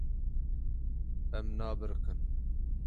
Em nabiriqin.